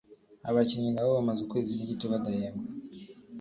abakinnyi nabo bamaze ukwezi n’igice badahembwa